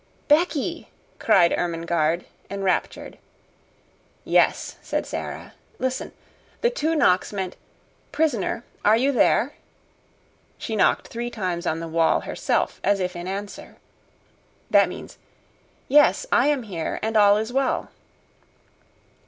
"Becky!" cried Ermengarde, enraptured. "Yes," said Sara. "Listen; the two knocks meant, 'Prisoner, are you there?'" She knocked three times on the wall herself, as if in answer. "That means, 'Yes, I am here, and all is well.'"